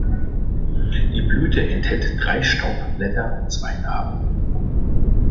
Die Blüte enthält drei Staubblätter und zwei Narben.